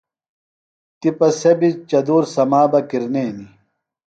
تِپہ سےۡ بیۡ چدُور سما بہ کِرنینیۡ۔